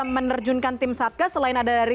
menerjunkan tim satgas selain ada dari